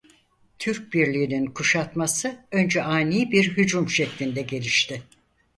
Türk birliğinin kuşatması önce ani bir hücum şeklinde gelişti.